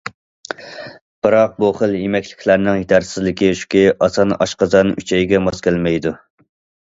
بىراق بۇ خىل يېمەكلىكلەرنىڭ يېتەرسىزلىكى شۇكى، ئاسان ئاشقازان ئۈچەيگە ماس كەلمەيدۇ.